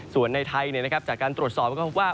ส่วนในไทยเนี่ยนะครับจากการตรวจสอบก็พูดว่า